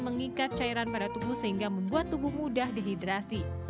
mengikat cairan pada tubuh sehingga membuat tubuh mudah dihidrasi